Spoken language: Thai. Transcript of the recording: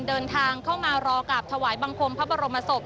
เดินทางเข้ามารอกราบถวายบังคมพระบรมศพ